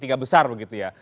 tiga besar begitu ya